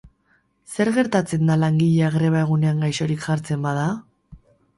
Zer gertatzen da langilea greba egunean gaixorik jartzen bada?